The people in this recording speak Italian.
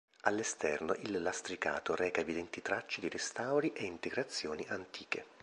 All'esterno il lastricato reca evidenti tracce di restauri e integrazioni antiche.